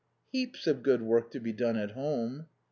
"Heaps of good work to be done at home."